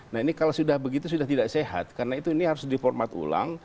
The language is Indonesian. nah ini kalau sudah begitu sudah tidak sehat karena itu ini harus diformat ulang